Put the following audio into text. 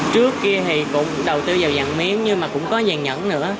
trước kia thì cũng đầu tư vào vàng miếng nhưng mà cũng có vàng nhẫn nữa